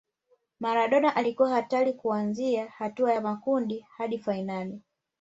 maradona alikuwa hatari kuanzia hatua za makundi hadi fainali